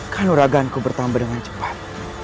kanuragaanku bertambah dengan cepat